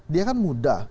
dia kan muda